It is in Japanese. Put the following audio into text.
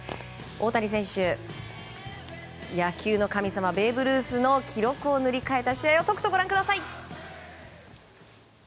大谷選手、野球の神様ベーブ・ルースの記録を塗り替えた試合をとくとご覧ください。